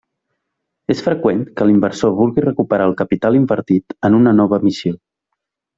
És freqüent que l'inversor vulgui recuperar el capital invertit en una nova emissió.